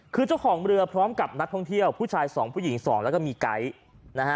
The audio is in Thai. คือเจ้าของเรือพร้อมกับนักท่องเที่ยวผู้ชาย๒ผู้หญิง๒แล้วก็มีไก๊นะฮะ